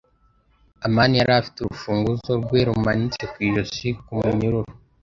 [S] amani yari afite urufunguzo rwe rumanitse mu ijosi ku munyururu.